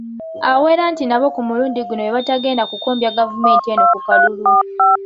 Awera nti nabo ku mulundi guno bwe batagenda kukombya gavumenti eno ku kalulu.